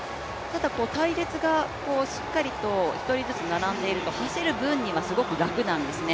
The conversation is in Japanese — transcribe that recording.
隊列がしっかりと１人ずつ並んでいると、走る分にはすごく楽なんですね。